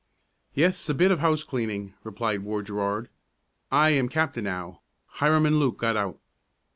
"Yes, a bit of house cleaning," replied Ward Gerard. "I am captain now. Hiram and Luke got out."